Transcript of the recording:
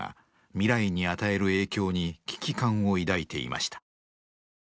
未来に与える影響に危機感を抱いていました。